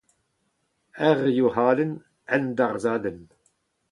Ur youc'hadenn, un darzhadenn.